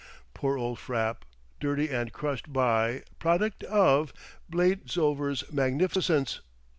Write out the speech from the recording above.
Poor old Frapp—dirty and crushed by, product of, Bladesover's magnificence!